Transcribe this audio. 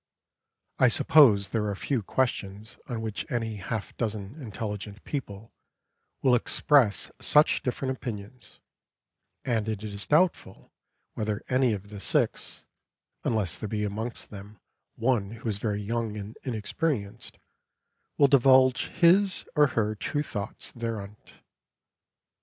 I suppose there are few questions on which any half dozen intelligent people will express such different opinions, and it is doubtful whether any of the six (unless there be amongst them one who is very young and inexperienced) will divulge his, or her, true thoughts thereanent.